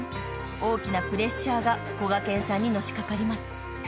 ［大きなプレッシャーがこがけんさんにのしかかります］